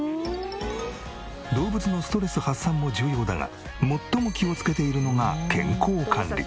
動物のストレス発散も重要だが最も気をつけているのが健康管理。